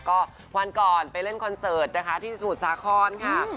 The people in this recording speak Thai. ก็วันก่อนไปเล่นคอนเสิร์ตนะคะที่สมุทรสาครค่ะ